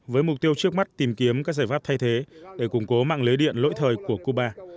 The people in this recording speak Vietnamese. với mục tiêu trước mắt tìm kiếm các giải pháp thay thế để củng cố mạng lưới điện lỗi thời của cuba